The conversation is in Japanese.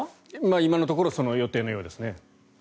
今のところその予定のようですね。